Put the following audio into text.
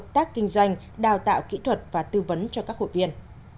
tác kinh doanh đào tạo kỹ thuật và tư vấn cho các hội viên